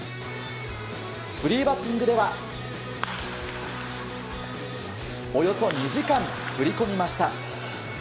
フリーバッティングではおよそ２時間振り込みました。